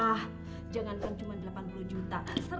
ah jangankan cuma delapan puluh juta